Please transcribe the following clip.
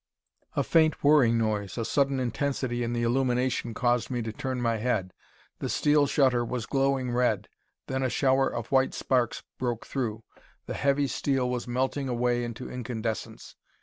A faint whirring noise, a sudden intensity in the illumination caused me to turn my head. The steel shutter was glowing red, then a shower of white sparks broke through. The heavy steel was melting away into incandescence.